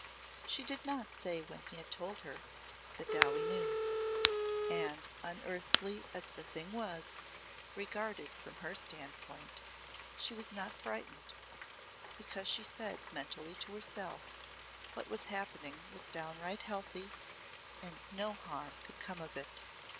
She did not say when he had told her but Dowie knew. And unearthly as the thing was, regarded from her standpoint, she was not frightened, because she said mentally to herself, what was happening was downright healthy and no harm could come of it.